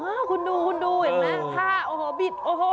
เนี่ยคุณดูคุณดูเห็นมั้ยท่าโอ้โหบิดโอ้โห